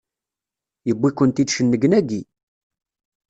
Yewwi-kent-id cennegnagi!